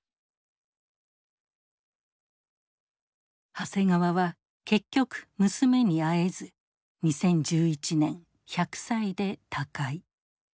長谷川は結局娘に会えず２０１１年１００歳で他界。